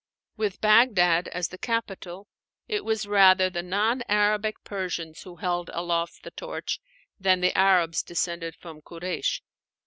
With Bagdad as the capital, it was rather the non Arabic Persians who held aloft the torch than the Arabs descended from Kuréish.